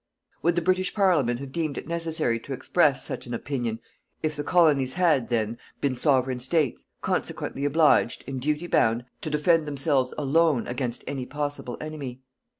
Would the British Parliament have deemed it necessary to express such an opinion, if the Colonies had, then, been Sovereign States, consequently obliged, in duty bound, to defend themselves alone against any possible enemy.